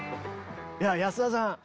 安田さん